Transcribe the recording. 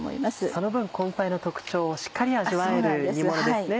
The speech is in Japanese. その分根菜の特徴をしっかり味わえる煮ものですね。